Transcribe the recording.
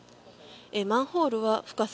マンホールは深さ